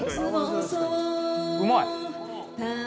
うまい。